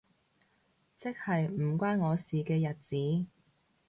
即係唔關我事嘅日子